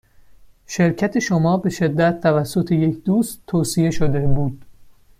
شرکت شما به شدت توسط یک دوست توصیه شده بود.